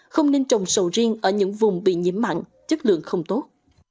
không nên trồng sầu riêng ở những vùng bị nhiễm mặn chất lượng không tốt